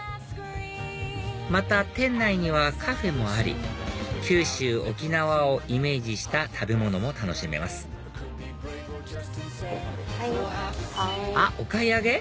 また店内にはカフェもあり九州沖縄をイメージした食べ物も楽しめますあっお買い上げ？